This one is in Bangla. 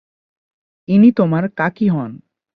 ইনি তোমার কাকি হন।